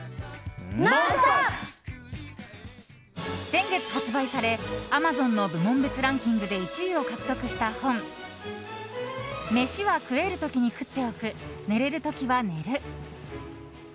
先月発売されアマゾンの部門別ランキングで１位を獲得した本「飯は食えるときに食っておく寝れるときは寝る」。